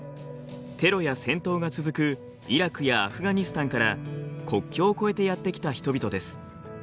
テロや戦闘が続くイラクやアフガニスタンから国境を越えてやって来た人々です。